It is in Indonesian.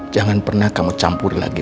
jangan pernah kamu campur lagi